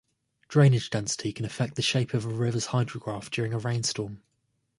Drainage density can affect the shape of a river's hydrograph during a rain storm.